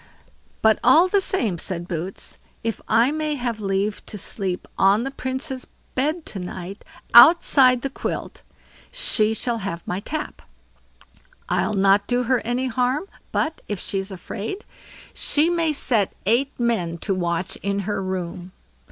"But all the same", said Boots; "if I may have leave to sleep on the Princess' bed to night, outside the quilt, she shall have my tap. I'll not do her any harm; but, if she's afraid, she may set eight men to watch in her room."